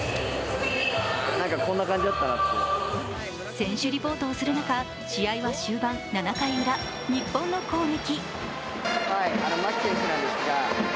選手リポートをする中、試合は終盤７回ウラ、日本の攻撃。